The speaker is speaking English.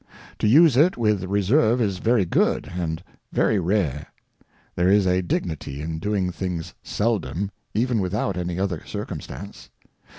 To use it with Reserve is very good, and very rare. There is a Dignity in doing things seldom, even without any other Circumstance.